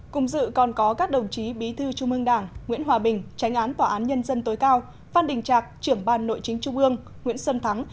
cùng dự còn có các đồng chí bí thư trung ương đảng nguyễn hòa bình tránh án tòa án nhân dân tối cao phan đình trạc trưởng ban nội chính trung ương nguyễn sơn thắng